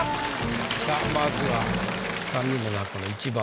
さあまずは３人の中の１番手。